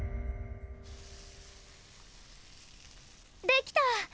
できた！